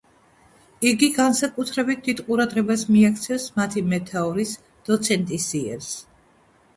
იგი განსაკუთრებით დიდ ყურადღებას მიაქცევს მათი მეთაურის, დოცენტის იერს.